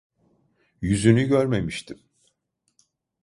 Yüzünü görmemiştim.